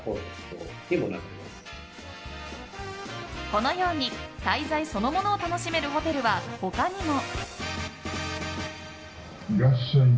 このように滞在そのものを楽しめるホテルは他にも。